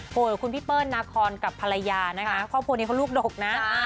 โอ้โหคุณพี่เปิ้ลนาคอนกับภรรยานะคะครอบครัวนี้เขาลูกดกนะ